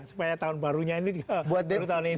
supaya tahun barunya ini